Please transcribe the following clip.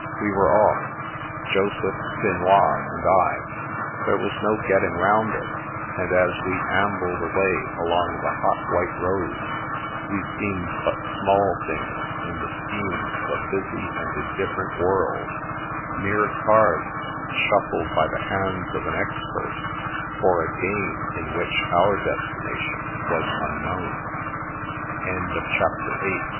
We were off, Joseph, Finois, and I; there was no getting round it; and as we ambled away along the hot white road, we seemed but small things in tiie scheme of a busy and indifferent world — mere cards, shuffled by the hands of an expert, for a game in which our destinatio